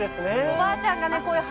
おばあちゃんがね